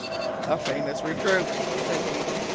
"A famous recruit," said he.